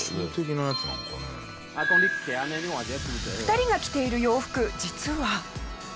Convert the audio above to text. ２人が着ている洋服実は。